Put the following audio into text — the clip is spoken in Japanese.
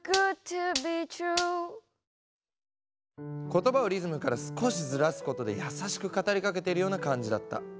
言葉をリズムから少しずらすことで優しく語りかけているような感じだった。